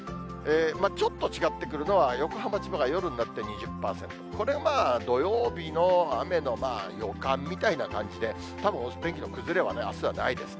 ちょっと違ってくるのは、横浜、千葉が夜になって２０％、これ、まあ土曜日の雨の予感みたいな感じで、たぶん、お天気の崩れはね、あすはないですね。